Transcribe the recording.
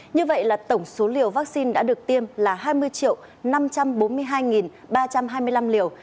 như vậy là tổng số liều vaccine đã được tiêm là hai mươi năm trăm bốn mươi hai ba trăm hai mươi năm liều